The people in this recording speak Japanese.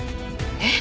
えっ？